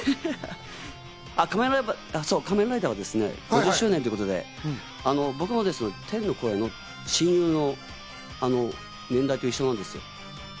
仮面ライダーはですね、４０周年ということで、僕も天の声の親友の年代と一緒なんですよ。